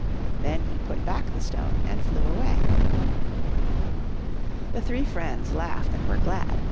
Then he put back the stone and flew away. " The three friends laughed and were glad.